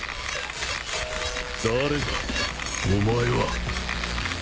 誰だお前は！